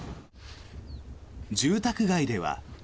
住宅街では。